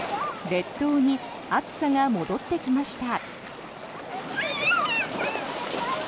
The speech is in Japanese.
列島に暑さが戻ってきました。